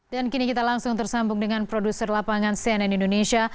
dan kini kita langsung tersambung dengan produser lapangan cnn indonesia